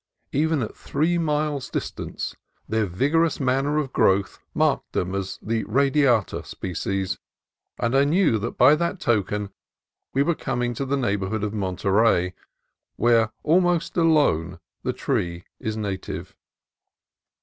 Even at three miles' distance their vigorous manner of growth marked them as of the radiata species, and I knew by that token that we were coming to the neighborhood of Monterey, where, almost alone, the tree is native.